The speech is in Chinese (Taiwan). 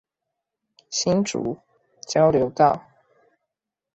新竹一交流道